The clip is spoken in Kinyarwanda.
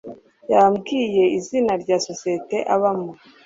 Yambwiye izina rya sosiyete abamo.